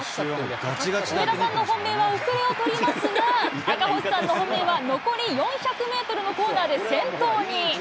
上田さんの本命は後れを取りますが、赤星さんの本命は、残り４００メートルのコーナーで先頭に。